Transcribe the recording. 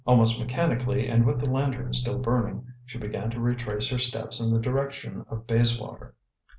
Almost mechanically, and with the lantern still burning, she began to retrace her steps in the direction of Bayswater.